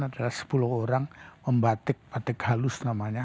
adalah sepuluh orang membatik batik halus namanya